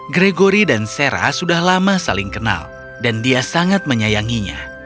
gregory dan sarah sudah lama saling kenal dan dia sangat menyayanginya